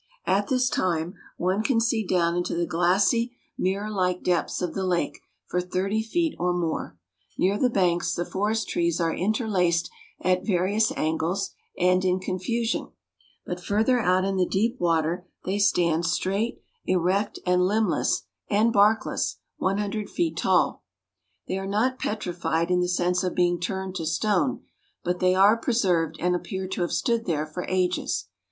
At this time one can see down into the glassy, mirror like depths of the lake for thirty feet or more. Near the banks the forest trees are interlaced at various angles and in confusion, but further out in the deep water they stand straight, erect, and limbless and barkless, 100 feet tall. They are not petrified in the sense of being turned to stone, but they are preserved and appear to have stood there for ages.